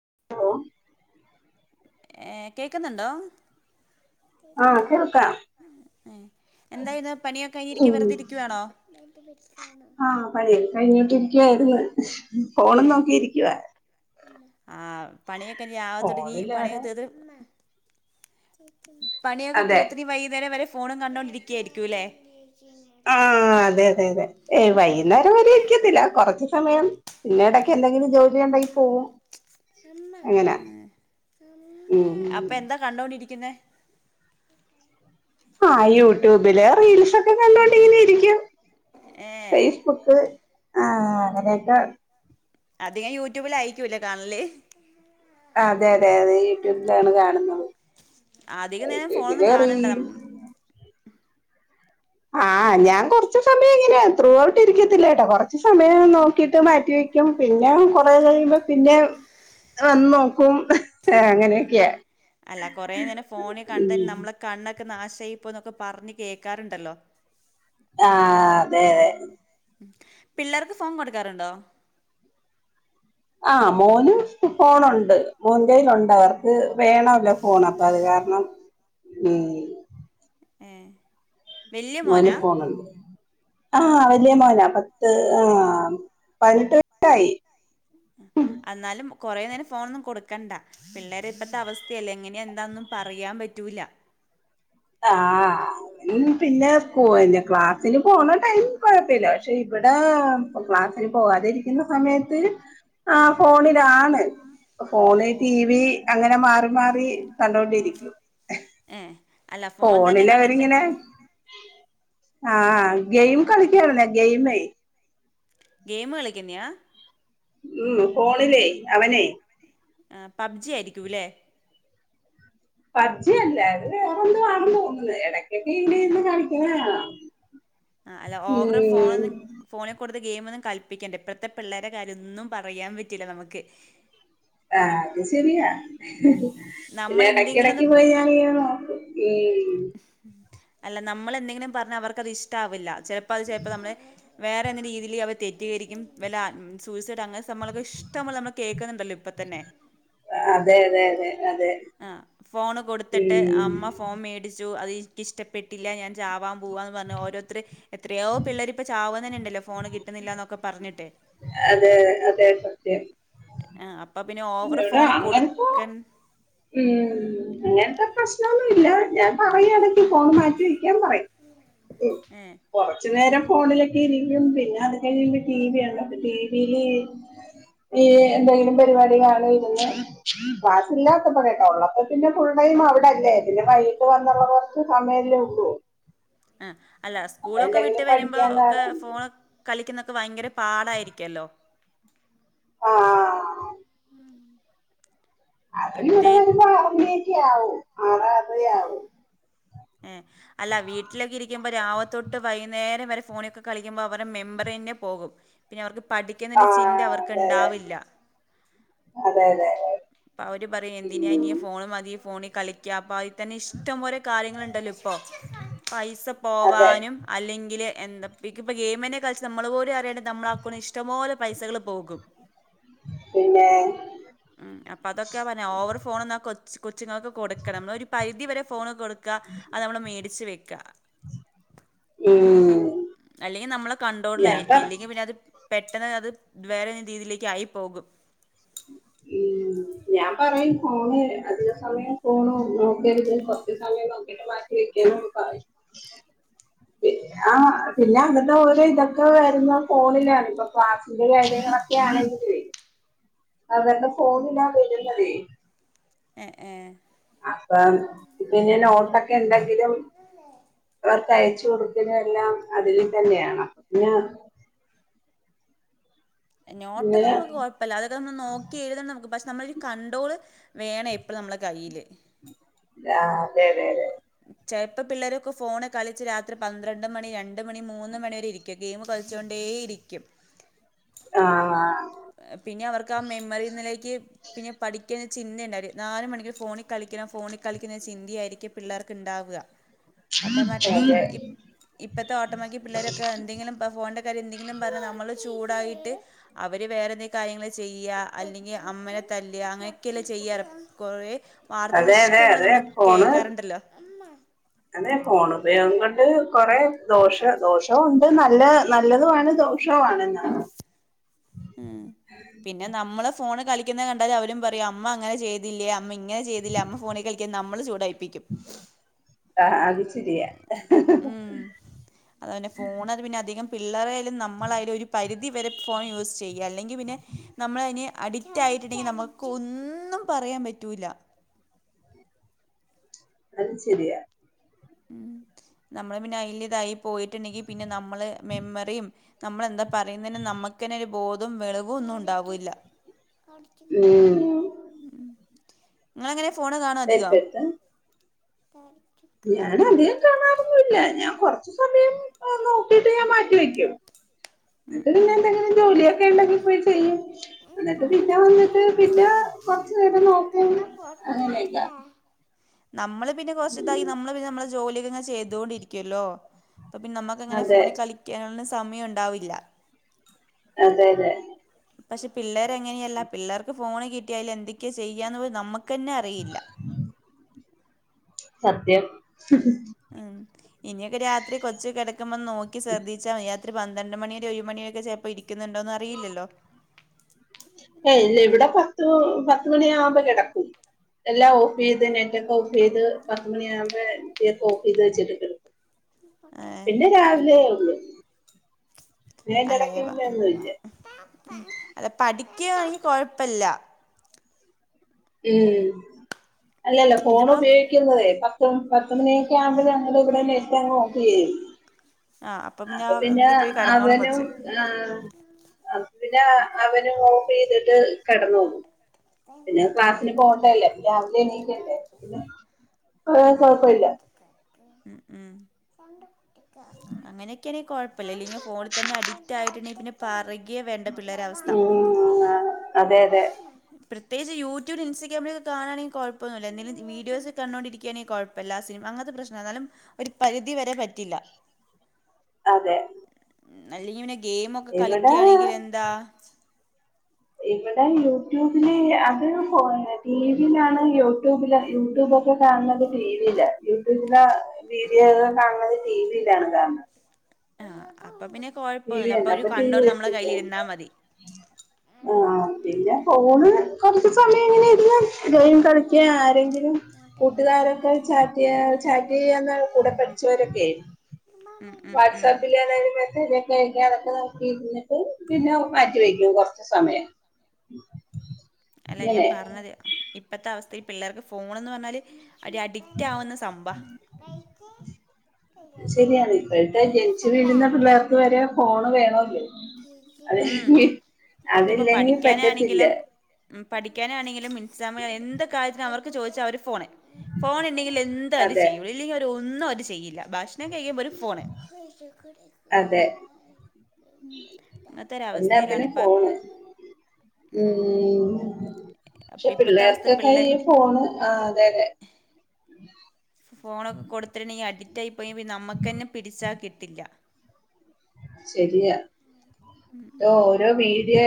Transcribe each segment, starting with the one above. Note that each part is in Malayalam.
[unintelligible] ഏഹ് കേക്കുന്നുണ്ടോ? ആഹ് കേൾക്കാം. ഏഹ് എന്തായിത് പണിയൊക്കെ കഴിഞ്ഞിരിക്ക് ഉം വെറുതെ ഇരിക്കുകയാണോ? കഴിഞ്ഞിട്ടിരിക്ക്യായ് ഫോണും നോക്കിയിരിക്കുവാ ആഹ് പണിയൊക്കെ ഇനി [unintelligible] പണിയൊക്കെ ഫോണിലാരാ തീർത്ത് പണിയൊക്കെ അതെ തീർത്ത്നി വൈ കുന്നേരം വരെ ഫോണും കണ്ടോണ്ടിരിക്കയായിരിക്കുല്ലേ? ആഹ് അതെ അതെ അതെ വൈകുന്നേരം വരെ ഇരിക്കത്തില്ല കൊറച്ച് സമയം പിന്നീടൊക്കെ എന്തെങ്കിലും ജോലി ഉണ്ടെങ്കി പോവും അങ്ങന്നാ ഉം ക്കിന്നേ ഹാ യൂട്യൂബില് റീൽസ് ഒക്കെ കണ്ടോണ്ടി ഇങ്ങനെ ഇരികും. ഏ ഫെയ്സ്ബുക്ക് ആ അങ്ങനെയൊക്കെ അതികം യൂട്യൂബില് അയികുംലെ കാണല് അതെ അതെ അതെ യൂട്യൂബിലാണ് കാണുന്നത്. അധികം നേരം ഫോണൊന്നും യൂട്യൂബില് കാണണ്ട റീൽ നം ആ ഞാൻ കുറച്ച് സമയ പിന്നെ ത്രൂ ഔട്ട് ഇരിക്കത്തില്ലേട്ടോ കുറച്ച് സമയം നോക്കിട്ട് മാറ്റി വെക്കും പിന്നെ കുറേ കഴിയുമ്പോ പിന്നി ന്നെ വന്ന് നോക്കും. അങ്ങനെയൊക്കെയാ അല്ല കൊറേ നേരം ഫോണി കണ്ടന്നെ ഉം നമ്മളെ കണൊ ക്കെ നാശായിപ്പോയി ന്നൊക്കെ പറഞ് കേൾക്കാറുണ്ടല്ലോ? ആ അതെ അതെ. പിള്ളേർക്ക് ഫോൺ കൊടുക്കാറുണ്ടോ? ആ മോന് ഫോണുണ്ട് മോന്റെയിലുണ്ട് അവർക്ക് വേണല്ലോ ഫോൺ അപ്പൊ അത് കാരണം ഉം ഏ വല്യ മോനാ [unintelligible] ആ വലിയ മോനാ പത്ത് ആഹ പതിനെട്ടായി. അന്നാലും കൊറേ നേരം ഫോണൊന്നും കൊടുക്കണ്ടാ പിള്ളേരെ ഇപ്പത്തെ അവസ്ഥയല്ലേ എങ്ങനെയ എന്താന്നും പറയാൻ പറ്റൂല. [inaudible] ആ പിന്നെ [unintelligible] ക്ലാസ്സിന് പോണ ടൈം കൊഴപ്പല്ല പക്ഷെ ഇ ഇവിടെ ക്ലാസ്സിൽ പോകാതിരിക്കുന്ന സമയത്ത് ആ ഫോണിലാണ് ഫോണ്, ടി വി അങ്ങനെ [unintelligible] മാറി മാറി കണ്ടോ ണ്ടിരിക്കും. ഏ അല്ല ഫോൺ തന്നെ കണ്ടിട്ട് ഫോണിലവരിങ്ങനെ ആഹ ഗെയിം കളിക്കായി ഗെയിമേ ഗെയിം കളിക്കുന്നെയാ? ഉം ഫോണിലേ അവനെ ആ പബ്ജി ആയിരിക്കുല്ലേ? പബ്ജി അല്ല അത് വേറെ എന്തോ ആണ് തോന്നുന്നത് ഇടക്കൊക്കെ ഇടെന്ന് കളിക്കുന്നതുകണാ. ആ അല്ല ഓവർ ഫോൺ ഫോണിൽ കൊടു ടുത്ത് ഗെയിമന്നും കളിപ്പിക്കണ്ട ഇപ്പഴത്തെ പിള്ളരെ കാര്യൊന്നും പറയാൻ പറ്റില്ല നമുക്ക് ആ അത് ശെരിയാ പിന്നെ ഇടക്ക നമ്മളെന്തെങ്കിലും ഇടക്ക് ഒന്ന് പോയി ഞാനിങ്ങനെ നോക്കും ഉം അല്ല നമ്മൾ എന്തെങ്കിലും പറഞ്ഞാൽ അവർക്കത് ഇഷ്ട ആവില്ല ചിലപ്പോ അത് ചിലപ്പോ നമ്മെ വേറെ എന്ത രീതിൽ അവർ തെറ്റീദരിക്കും വല്ല ആ സൂസൈഡ് അങ്ങ് നമ്മളക്കെ ഇഷ്ട നമ്മൾ കേൾക്കുന്നുണ്ടല്ലോ ഇപ്പ തന്നെ അതെ അതെ അതെ അതെ ആ ഫോണ് കൊടുത്തിട്ട് ഉം അമ്മ ഫോൺ മേടിച്ച് ചു അത് എനിക്കിഷ്ടപ്പെട്ടില്ല ഞാൻ ചാവാൻ പോവാ എന്ന് പറഞ്ഞ ഓരോരുത്ത എത്രയോ പിള്ളർ ഇപ്പ ചാവ തന്നെ ഫോണ് കിട്ടുന്നില്ലന്നൊക്കെ പറഞ്ഞിട്ടേ അതെ അതെ സത്യം ആ അപ്പൊ പിന്നെ ഓവർ ഇവിടെ ഫോണ് അങ്ങനത്തെ കൊടുക്ക ഉം അങ്ങനത്തെ പ്രശ്നന്നുല്ല ഞാൻ പറയാണെങ്കി ഫോൺ മാറ്റി വെക്കാൻ പറയും ഉം ഏ കൊറച്ചുനരം ഫോണിലൊക്കെ ഇരിക്കും പിന്നെ അത് കഴിഞ്ഞ ടി വി ആണ്ടോ അപ്പ ടി വിയില് ഈ എന്തെങ്കിലും പരിപാടി കാണോ ഇരുന്ന് ക്ലാസില്ല പ്പെട കേട്ടോ ഉള്ളപ്പോ പിന്നെ ഫുള്ളയും അവിടെല്ലേ പിന്നേ വൈകിട്ട് വന്നുള്ള കുറച്ച് സമയല്ലേ ഉള്ളൂ ആ അല്ല അപ്പൊ സ്കൂളൊക്കെ വിട്ട് എന്തെങ്കിലും വരുമ്പോ പഠിക്കാൻ ഒക്കെ കാണും ഫോൺ കളിക്കുന്ന ഭയങ്കര പാടായിരിക്കല്ലോ ആഹ് ഉം അത് ഇവിടെ വരുമ്പോ ആറരൊക്കെ ആവും ആറ് ആറര ആവും എഹ് അല്ല വീട്ടിലൊക്കെ ഇരിക്കുമ്പോ രാവത്തൊട്ട് വൈകുന്നേരം വരെ ഫോണിക്കെ കളിക്കുമ്പോ അവരെ മെമ്മറിയന്നെ പോകും. പിന്നെ അവർ പഠിക്കുന്നതിന്റെ ചിന്ത ആഹ് അതെ അതെ അവർക്ക്ണ്ടാവില്ല. അതെ അതെ അതെ അപ്പ അവര് പറയും ഉം എന്തിനാനി ഫോണ് മതി ഫോണി കളിക്കാപ്പ തന്നെ ഇഷ്ടംപോലെ കാര്യങ്ങള് ണ്ടല്ലോ ഇപ്പോ. പൈസ അതെ പോവാനും അല്ലെങ്കില് എന്താ ഇപ്പം ഗെയിമന്നെ കൾച്ച് നമ്മള് പോലും അറിയാ നമ്മള ആക്കുന്ന് ഇഷ്ടംപോലെ പൈസകള് പോകും. പിന്നെ ഉം അപ്പൊ അതൊക്കെ പർഞ്ഞാ ഓവർ ഫോണൊന്നാ കൊച്ച് കൊച്ച്ങ്ങക്ക് കൊട്ക്കണം. നമ്മള് ഒരു പരിധി വരെ ഫോൺ കൊടു ക്കാ അത് നമ്മള് മേടിച്ച് വെക്ക. ഉം അല്ലെങ്കി നമ്മളെ ഞാൻ കണ്ടോൾലായിരിക്ക പറ ഇല്ലെങ്കി പിന്നെ അത് പെട്ടെനെ അത് വേറെതേലും രീതിയിലേക്ക്ക് ആയി പോകും. ഉം ഞാൻ പറയും. ഫോണ് അധിക സമയം ഫോണ് നോക്കര്ത്. കൊർച്ച് സമയം നോക്കിയിട്ട് മാറ്റി വെക്കണം പറ ആ പിന്നെ അങ്ങത്തെ ഓരോ ഇതൊക്കെ വര്ന്ന ഫോണിലാണ്. ഇപ്പൊ ക്ളാ എന്ത്‌ കാര്യങ്ങളൊക്കെയാണെങ്കിലേ അതെന്റെ ഫോണിലാ വരുന്നതേ. എഹ് ഏഹ്. അപ്പം പിന്നെ നോട്ടൊക്കെണ്ടെങ്കിലും അവർക്കയച്ച് കൊട്ക്ക്ണ എല്ലാം അതിൽ തന്നെയാണ് പിന്ന നോട്ടക്കെ ഇങ്ങനെ നമ്മക്ക് കൊഴപ്പല്ല. അതൊക്കെ ന്ന് നോക്കി എഴ്തണം. പശ് നമ്മളൊരു കണ്ടോള് വേണം എപ്പളും നമ്മളെ കയ്യില്. ആഹ് അതെ. അതെ അതെ ചെലപ്പോ പിള്ളേരക്കെ ഫോണ് കളിച്ച് രാത്രി പന്ത്രണ്ട് മണി, രണ്ട് മണി, മൂന്ന് മണി വരെ ഇരിക്കും ഗെയിം കൾച്ചോണ്ടേ ഇരിക്കും. ആഹ് പിന്നെ അവർക്കാ മെമ്മറി എന്നിലേക്ക് പിന്നെ പഠിക്കാൻ ഇത്തിരി ചിന്തണ്ടാവില്ല നാല് മണിക്ക് ഫോണിൽ കളിക്കണം ഫോണിൽ കളിക്കുന്ന ചിന്തയായിരിക്കും പിള്ളേർക്ക്ണ്ടാവ്വാ അതേ ഇപ്പത്തെ ഓട്ടമാക്കി പിള്ളേരൊക്കെ എന്തെങ്കിലും ഫോണന്റെ കാര്യ എന്തെങ്കിലും പറഞ്ഞ് നമ്മള് ചൂടായിട്ട് അ അവര് വേറെ എന്തെങ്കിലും കാരിയങ്ങള് ചെയ്യാ അല്ലെങ്കി അമ്മനെ തല്ലാ അങ്ങനെയക്കെല്ലേ ചെയ്യാ കൊറേ വാർത്തകള് അതെ അതെ ഇഷ്ടംപോലെ അതെ നമ്മള് ഫോണ് കേൾക്കാറുണ്ടല്ലോ കൊറേ ദോഷ ദോഷവും ഉണ്ട് നല്ല നല്ലതുമാണ് ദോഷവും ആണ്ന്നാ ഉം പിന്നെ നമ്മള് ഫോണ് കളിക്കുന്ന കണ്ടാല് അവരും പറയും അമ്മ അങ്ങനെ ചെയ്തില്ലേ അമ്മ ഇങ്ങനെ ചെയ്തില്ല അമ്മ ഫോണിൽ കളിക്കാ നമ്മള് ചൂടായിപ്പിക്കും അത് ശരിയാ ഉം അതാ പിന്നെ ഫോണത് പിന്നെ അധികം പിള്ളേരായാലും നമ്മളായാലും ഒരു പരിധിവരെ ഫോൺ യൂസ് ചെയ്യാ അല്ലെങ്കി പിന്നെ നമ്മളയിന് അഡിക്റ്റായിട്ടുണ്ടെങ്കി നമുക്ക് ഒന്നും പറയാൻ പറ്റൂല്ല അത് ശെരിയാ ഉം നമ്മള് പിന്നെ അയ്ല്തായി പോയിട്ടുണ്ടെങ്കി പിന്നെ നമ്മള് മെമ്മറിം നമ്മളെന്താ പറയുന്നതിന് നമ്മുക്കന്നെ ഒരു ബോധവും വവെളിവും ഒന്നും ഉണ്ടാവൂല്ല ഉം ങ്ങളെങ്ങനേ ഫോ ഫോണ് കാണോ അധികം തെറ്റത്ത് കാണാറൊന്നുല്ല ഞാൻ കൊർച്ച് സമയം നോക്കിയിട്ട് ഞാൻ മാറ്റി വെക്കും ഉം അപ്പൊ ഉം പിന്നേ എന്തെങ്കിലും ജോലിയൊക്കെ ഉണ്ടങ്കി പോയി ചെയ്യും എന്നിട്ട് പിന്നെ വന്നിട്ട് പിന്നെ കൊർച്ച് നേരം നോക്കും അങ്ങനൊക്കെ നമ്മള് പിന്നെ കൊർച്ച് ഇതായി നമ്മള് പിന്നെ നമ്മളെ ജോലിങ്ങനെ ചെയ്തൊണ്ടിരിക്കുവല്ലോ അപ്പൊ പിന്നെ നമ്മക്ക് ഇങ്ങനെ അതെ ഫോണിൽ കളിക്കാനുള്ള സമയം ഉണ്ടാവില്ല അതെ അതെ പക്ഷെ പിള്ളേരെ അങ്ങനെയല്ല പിള്ളർക്ക് ഫോൺ കിട്ടിയാല് അതിൽ എന്തൊക്കെയാ ചെയ്യാന്ന് നമ്മക്ക് ക്കെന്നെ അറിയില്ല സത്യം ഉം ഇനിയോക്കെ രാത്രി കൊച്ച് കിടക്കുമ്പോ നോക്കി ശ്രെദ്ധിച്ചമായി ഒരു പന്ത്രണ്ട് മണിരെ ഒരു മണിയൊക്കെ ചിലപ്പോ ഇരിക്കുന്നുണ്ടോന്ന് അറിയില്ലല്ലോ ഏയ് ഇല്ല ഇവിടെ പത്ത് പത്ത് മണിയ ആവുമ്പോ കിടക്കും എല്ലാം ഓഫ് ചെയ്ത് നെറ്റ് ഒക്കെ ഓഫ് ചെയ്ത് പത്തുമണിയ ആമ്പയെ നെറ്റൊക്കെ ഓഫ്‌ചെയ്ത് വെചിടിണ്ട് കെടക്കും ഏഹ് പിന്നെ രാവിലെ ഉള്ളൂ അല്ല യ വ അല്ലാ പഠി ക്കിയണെകിൽ കൊഴപ്പില്ല ഉം അല്ലല്ല ഫോൺ ഇതിപ്പോ ഉപയോഗിക്കുന്നുന്നതെ ഇപ്പം പത്ത് മണിയൊക്കെ ആകുമ്പോയ് ഞങ്ങൾ ഇവിടെ നെറ്റങ് ഓഫ്‌ ചെയും ആ അപ്പൊ ആ അപ്പൊ പിന്നെ ഇതില് പോയി കെടന്നോളും അവനും കൊച്ച് ആ അ പിന്നെ അവനും ഓഫ് ചെയ്തിട്ട് കെടന്നോള്ളും പിന്നെ ഉം ഉം ക്ലാസിന് പോകണ്ടല്ലേ രാവിലെ എണീക്കണ്ടേ പിന്നെ ആ കൊഴപ്പം ഇല്ല ഉം ഉം അങ്ങനെയൊക്കെയാണെ കൊഴപ്പില്ല ഇല്ലെങ്കി ഫോണിൽ തന്നെ അഡിക്റ്റ് ആയിട്ടുണ്ടെങ്കിൽ പിന്നെ പറുയുകെ വേണ്ട പിള്ളേരവസ്ഥ ഉം അതെ അതെ പ്രത്യേകിച്ച് യൂട്യൂബ് ഇൻസ്റ്റാഗ്രാം കാണെങ്കി കോഴപ്പന്നില്ല എന്തെങ്കിലും വിഡിയോസ് കണ്ടോണ്ടിരിക്കുകണെങ്കി കോഴപ്പില്ല സിനിമ അങ്ങനത്തെ പ്രശ്ന എന്നാലും ഒരു പരിധി വരെ പറ്റില്ല അതെ അല്ലെങ്കി പിന്നെ ഗെയിമ് ഒക്കെ ഇവിടെ കളിക്കയാണെങ്കിൽ എന്താ ഇവിടെ യൂട്യൂബില് അത് ഫോ ടിവിയിലാണ് യൂട്യൂബില് യൂട്യൂബ യൂട്യൂബ് കാണുന്നത് ടിവിയിലാ യൂട്യൂബില് വീഡിയോ കാണുന്നത് ടി വില്ല ആ അപ്പ പിന്നെ ടിവി കുഴപ്പമൊന്നുമില്ല ഉണ്ടോ അപ്പം ഒരു അപ്പ ടിവി കൺട്രോൾ നമ്മളെ വെച്ചിടുണ്ട കയ്യിലിരുന്നാൽ മതി ആ പിന്ന ഫോണ് കൊറച്ച് സമയം എങ്ങനെ ഇര്ന്ന് ഗെയിം കളിക്ക ആരെങ്കിലും കുട്ടുകാരൊക്കെ ചാറ്റ്യാ ചാറ്റിയന്നാ കൂടെ പഠിച്ചവരൊക്കെയെ ഉം ഉം ഉം വാട്സാപ്പിലാന്ന് അന് മെസ്സേജ് ആയേക്കാൻ ഇരുന്ന് അതൊക്കെ നോക്കിയിരുന്ന് പിന്നെ മാറ്റി വെയിക്യും കൊറച്ച് സമയം അല്ല ഞാൻ ഇങ്ങനെ പറഞ്ഞത് ഇപ്പത്തെ അവസ്ഥയിൽ പിള്ളേർക്ക് ഫോൺന്ന് പറഞ്ഞാല് ഒരു അഡിക്റ്റ് ആവുന്ന സംഭവാ [unintelligible] ശരിയാണ് ഇപ്പോത്തെ ജനിച്ച് വീഴുന്ന പിള്ളേർക്ക് വരെ ഫോണ് വേണോല്ലേ അതെ ഉം ഇതിപ്പോ അതില്ലെങ്കി പറ്റത്തില്ല പഠിക്കാനാണെങ്കിലും പഠിക്കാനാണെങ്കിലും മിൻസമ എന്ത് കാര്യത്തിനും അവർക്ക് ചോദിച്ചാൽ അവർക്ക് ഫോണേ ഫോണ് ഇല്ലേങ്കിൽ എന്ത് അര് അതെ ചെയ്യും ഇല്ലെങ്കിൽ അവര് ഒന്നും അവര് ചെയ്യില്ല ഭക്ഷണം കഴികുമ്പോള്ളും ഫോണ് അങ്ങനത്തെ എല്ലാ ഒരവസ്ഥയിലാണ് ത്തിന്നും ഇപ്പ ഫോൺ ഉ ഉം അപ്പൊ പക്ഷെ ഇപ്പത്തെ അവസ്ഥ പിള്ളേർക്കൊക്കെ പിള്ളേ ഈ ഫോണ് ആ അതെ തെ ഫോണൊക്കെ കൊടുത്തിട്ടണ്ടെ അഡിക്റ്റായി പോയ നമ്മുക്കന്നെ പിടിച്ചാ കിട്ടില്ല ശരിയാ ഓരോ വീഡിയോ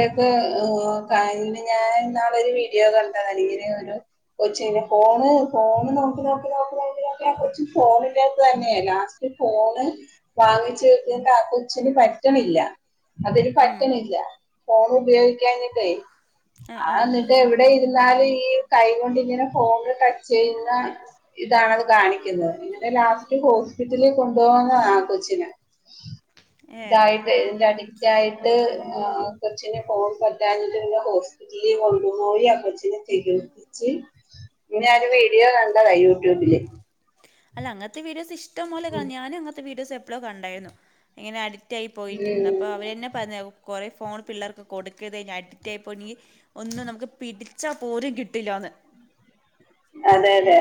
ഒക്കെ ഏ കണ്ട് ഞാൻ ഇന്നാള് ഒരു വീഡിയോ കണ്ടാടിയില്ല് കൊച്ചിന് ഫോണ് ഫോൺ നോക്കി നോക്കി നോക്കി നോക്കി കൊച്ച് ഫോണിനത് തന്നെ ലാസ്റ്റ് ഫോണ് വാങ്ങിച്ച് വച്ചിട്ട് ആ കൊച്ചിന് പറ്റണില്ല അതിന് ഉം പറ്റുന്നില്ല ഫോൺ ഉപയോഗിക്കിഞ്ഞിട്ടേ ആ എന്നിട്ട് ഇവിടെ ഇരുന്ന് എന്നാലും ഈ കൈകൊണ്ട് ഇങ്ങനെ ഫോൺ ച്ച് ചെയ്യുന്ന ഇതാണത് കാണിക്കുന്നത് ഇങ്ങനെ ലാസ്റ്റ് ഹോസ്പിറ്റലിൽ കൊണ്ടുപോകുന്ന കൊച്ചിനെ [inaudible] ഇതായിട്ട് ഇതിൻ്റെ അഡിക്റ്റ ആായിട്ട് കൊച്ചിനെ ഫോൺ പറ്റഞ്ഞ് പിന്നെ ഹോസ്പിറ്റലിൽ കൊണ്ടുപോയി ആ കൊച്ചിനെ ചികിത്സിച്ചു ഇന്ന ഒരു വീഡിയോ കണ്ടതാ യൂട്യൂബില് അല്ല അങ്ങത്തെ വീഡിയോസ് ഇഷ്ടം പോലെ ഞാനും അങ്ങനത്തെ വീഡിയോസ് എപ്പോഴ കണ്ടായിരുന്നു ഇങ്ങനെ അഡിക്റ്റ് ആയി പോയിരിക്കുന്നത് അപ്പൊ ഉം അവരെന്നെ പറഞ്ഞ കുറ ഫോൺ പിള്ളേർക്ക് കൊടുക്കത് അഡിക്റ്റായി പോയി കഴിഞ്ഞാ ഒന്നും നമുക്ക് പിടിച്ചാ പോരും കിട്ടില്ലന്ന് [inaudible] അതെ അതെ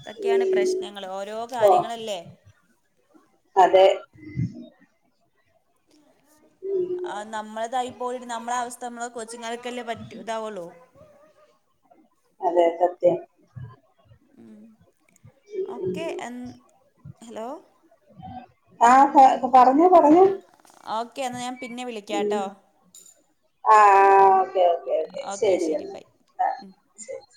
അതൊക്കെയാണ് ഉം പ്രശ്നങ്ങൾ ഓരോ ഓ കാര്യങ്ങളല്ലേ [inaudible] ഉം ആ നമ്മളതായി പോയി നമ്മളെ അവസ്ഥ നമ്മള കൊച്ചിങ്ങർക്കല്ലേ പറ്റു ഇതാവുള്ളോ അതെ സത്യം ഉം ഓക്കെ എൻ ഹലോ ആ പറഞ്ഞു പറഞ്ഞു ഓക്കെ എന്നാ ഞാൻ പിന്നെ വിളിക്കാട്ടോ ഒക്കെ ഒക്കെ ശെരി ശരി എന്ന ബൈ ആ ശെരി